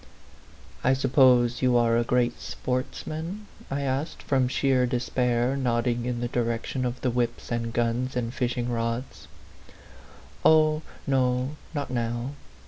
" I suppose you are a great sportsman ?" I asked from sheer despair, nodding in the direction of the whips and guns and fishing rods. "Oh, no, not now.